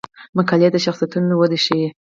مکالمې د شخصیتونو وده ښيي.